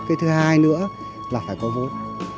cái thứ hai nữa là phải có vốn